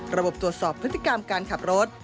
ระบบตรวจสอบพฤติกรรมการขับรถ